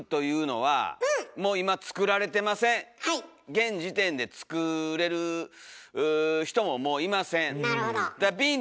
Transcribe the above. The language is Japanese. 現時点で作れる人ももういません。